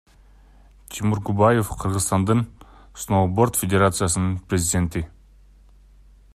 Тимур Губаев — Кыргызстандын сноуборд федерациясынын президенти.